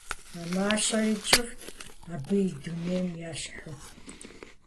А мащэри кӀыфӀт, абы и дунейм ещхьу.